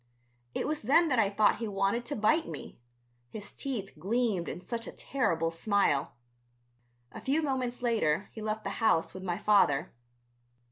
It was then that I thought he wanted to bite me, his teeth gleamed in such a terrible smile. A few moments later he left the house with my father.